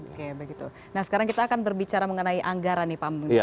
oke begitu nah sekarang kita akan berbicara mengenai anggaran nih pak mulya